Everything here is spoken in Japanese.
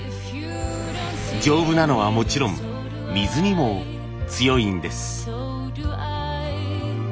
丈夫なのはもちろん水にも強いんです。